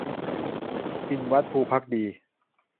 ทินวัฒน์ ภูภักดี